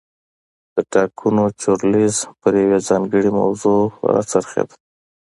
د ټاکنو چورلیز پر یوې ځانګړې موضوع را څرخېده.